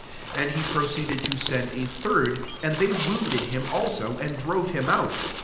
12 And he proceeded to send a third : and they wounded him also, and drove him out.